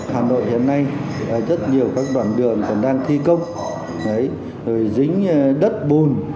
hà nội hiện nay rất nhiều các đoạn đường còn đang thi công rồi dính đất bùn